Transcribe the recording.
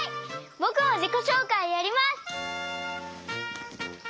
ぼくもじこしょうかいやります！